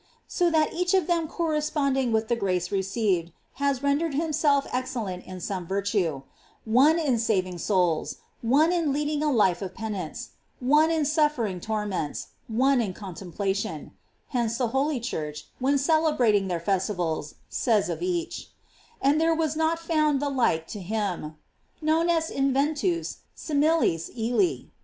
So that each of them corresponding with the grace received, has rendered himself excellent in some virtue; one in saving souls, one in leading a life of penance, one in suffering torments, one in contemplation; hence the holy Church, when celebrating their festivals, says of each: And there was not found the like to him: "Non est inventus similis illi."